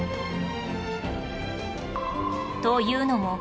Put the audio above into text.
というのも